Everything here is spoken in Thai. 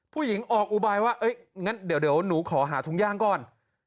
ผู้หญิงออกอุบายว่างั้นเดี๋ยวหนูขอหาถุงย่างก่อน